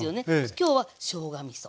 今日はしょうがみそ。